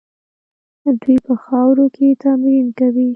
دوی په خاورو کې تمرین کوي.